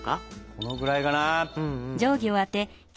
このくらいかな？